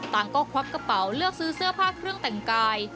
ต่างก็ควักกระเป๋าเลือกซื้อเสื้อผ้าเครื่องแต่งกาย